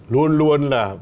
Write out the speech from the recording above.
luôn luôn là